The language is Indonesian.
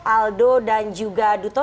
aldo dan juga duto